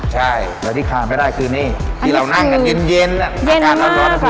ใช่และที่คลามไม่ได้คือนี่ที่เรานั่งกันเย็นอาการออกมาก